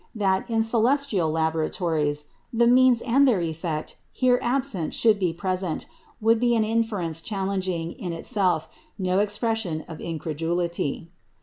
That, in celestial laboratories, the means and their effect here absent should be present, would be an inference challenging, in itself, no expression of incredulity.